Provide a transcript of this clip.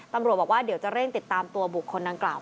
ตำรวจบอกว่าเดี๋ยวจะเร่งติดตามตัวบุคคลดังกล่าว